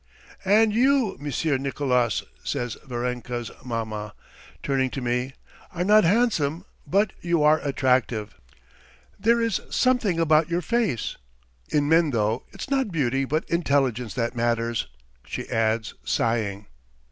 "And you, Monsieur Nicolas," says Varenka's mamma, turning to me, "are not handsome, but you are attractive. ... There is something about your face. ... In men, though, it's not beauty but intelligence that matters," she adds, sighing.